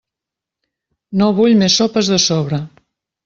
No vull més sopes de sobre.